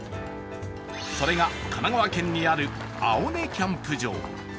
それが神奈川県にある青根キャンプ場。